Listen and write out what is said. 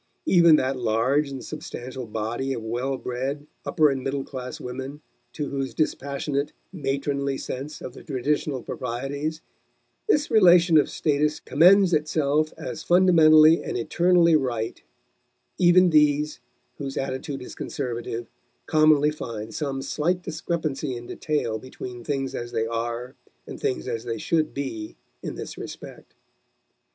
Even that large and substantial body of well bred, upper and middle class women to whose dispassionate, matronly sense of the traditional proprieties this relation of status commends itself as fundamentally and eternally right even these, whose attitude is conservative, commonly find some slight discrepancy in detail between things as they are and things as they should be in this respect.